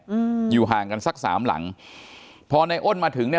อืมอยู่ห่างกันสักสามหลังพอในอ้นมาถึงเนี้ย